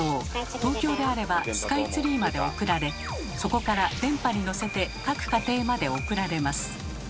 東京であればスカイツリーまで送られそこから電波に乗せて各家庭まで送られます。